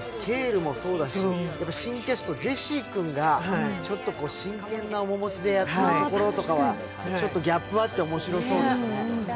スケールもそうだし新キャスト、ジェシー君が真剣な面持ちでやってるところとかは、ちょっとギャップがあって面白そうですね。